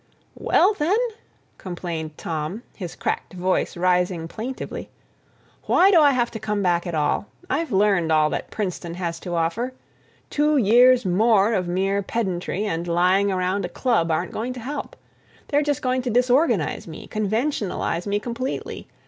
"Well, then," complained Tom, his cracked voice rising plaintively, "why do I have to come back at all? I've learned all that Princeton has to offer. Two years more of mere pedantry and lying around a club aren't going to help. They're just going to disorganize me, conventionalize me completely.